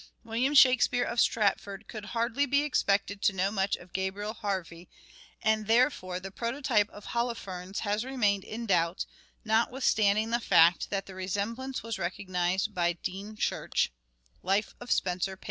William Shakspere of Stratford could hardly be expected to know much of Gabriel Harvey, and therefore the prototype of Holofernes has remained in doubt, notwithstanding the fact that the resemblance was recognized by Dean Church (" Life of Spenser," p.